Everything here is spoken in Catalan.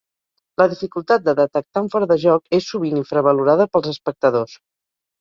La dificultat de detectar un fora de joc és, sovint, infravalorada pels espectadors.